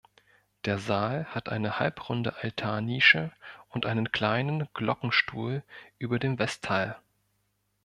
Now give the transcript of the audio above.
Der Saal hat eine halbrunde Altar-Nische und einen kleinen Glockenstuhl über dem Westteil.